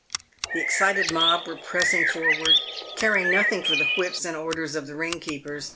The excited mob were pressing forward, caring nothing for the whips and orders of the ring keepers.